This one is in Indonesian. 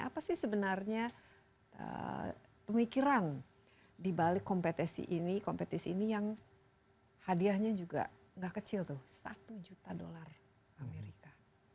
apa sih sebenarnya pemikiran dibalik kompetisi ini kompetisi ini yang hadiahnya juga gak kecil tuh satu juta dolar amerika